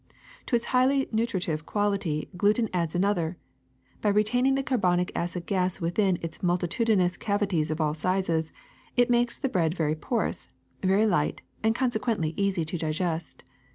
To its highly nutritive quality gluten adds another: by retaining the carbonic acid gas within its multitudinous cavi ties of all sizes it makes the bread very porous, very light, and consequently easy to digest.